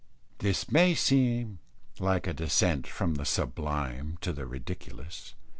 This may seem like a descent from the sublime to the ridiculous.